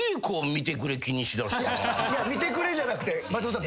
いや見てくれじゃなくて松本さん